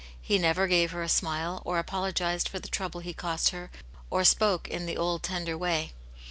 He never gave her a smile, or apologised for the trouble he cost her, or spoke in the old tender way.